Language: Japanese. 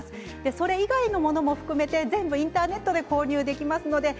それ以外のものも含めて全部インターネットで購入できますので。